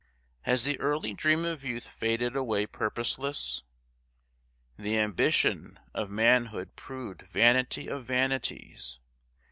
Has the early dream of youth faded away purposeless?—the ambition of manhood proved vanity of vanities?